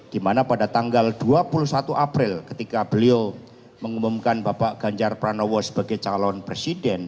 di mana pada tanggal dua puluh satu april ketika beliau mengumumkan bapak ganjar pranowo sebagai calon presiden